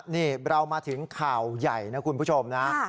นี่เรามาถึงข่าวใหญ่นะคุณผู้ชมนะ